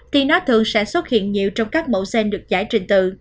thì nó thường sẽ xuất hiện nhiều trong các mẫu gen được giải trình từ